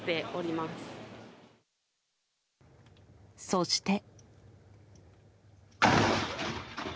そして。